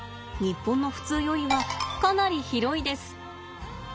日本の普通よりはかなり広いです。